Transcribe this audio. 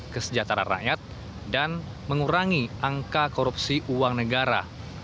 kesejahteraan rakyat dan mengurangi angka korupsi uang negara